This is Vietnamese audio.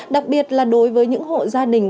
đặc biệt là đối với những hộ gia đình